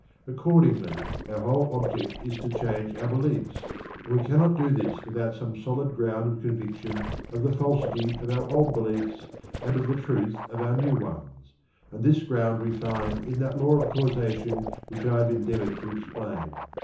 Accordingly our whole object is to change our beliefs, and we cannot do this without some solid ground of conviction of the falsity of our old beliefs and of the truth of our new ones, and this ground we find in that law of causation which I have endeavoured to explain.